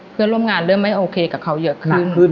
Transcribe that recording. เพื่อนร่วมงานเริ่มไม่โอเคกับเขาเยอะขึ้น